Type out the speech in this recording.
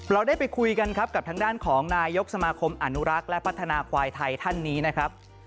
เราได้ไปคุยกันครับกับทางด้านของนายกสมาคมอนุรักษ์และพัฒนาควายไทยท่านนี้นะครับ